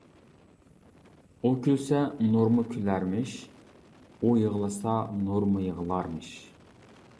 ئۇ كۈلسە نۇرمۇ كۈلەرمىش، ئۇ يىغلىسا نۇرمۇ يىغلارمىش.